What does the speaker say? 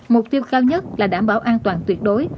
mục tiêu cao nhất là đảm bảo an toàn tuyệt đối